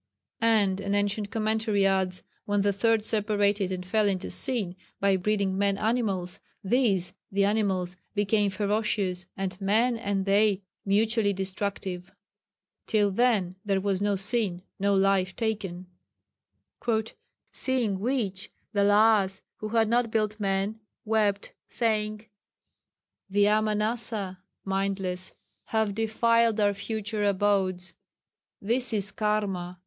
(And an ancient commentary adds 'when the Third separated and fell into sin by breeding men animals, these (the animals) became ferocious, and men and they mutually destructive. Till then, there was no sin, no life taken.'). "Seeing which the Lhas who had not built men, wept, saying. 'The Amanasa [mindless] have defiled our future abodes. This is Karma.